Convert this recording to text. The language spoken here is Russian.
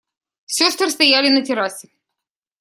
Сестры стояли на террасе.